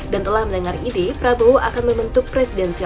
dan telah mendengar ini prabowo akan membentuk presidennya